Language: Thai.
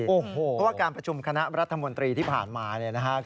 เพราะว่าการประชุมคณะรัฐมนตรีที่ผ่านมาเนี่ยนะครับ